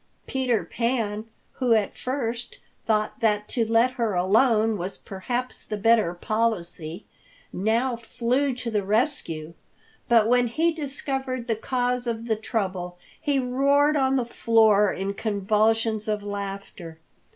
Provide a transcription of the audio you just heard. Peter Pan, who had at first thought that to let her alone was perhaps the better policy, now flew to the rescue, but when he discovered the cause of the trouble, he rolled on the floor in convulsions of laughter.